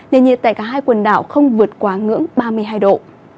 nền nhiệt tại cả hai quần đảo không vượt quá ngưỡng ba mươi hai độ